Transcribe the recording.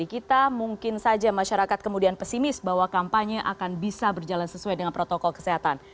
kita mungkin saja masyarakat kemudian pesimis bahwa kampanye akan bisa berjalan sesuai dengan protokol kesehatan